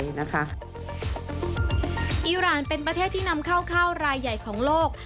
อีรานเป็นประเทศที่นำเข้าข้าวรายใหญ่ของโลก